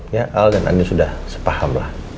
ya al dan anda sudah sepahamlah